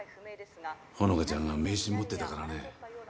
ほのかちゃんが名刺持ってたからね。